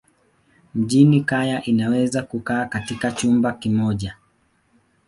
Mjini kaya inaweza kukaa katika chumba kimoja.